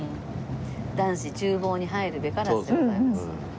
男子厨房に入るべからずでございます。